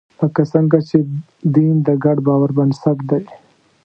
لکه څنګه چې دین د ګډ باور بنسټ دی.